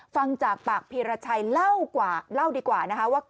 ฟังจากปากพีรชัยเล่าดีกว่านะคะว่า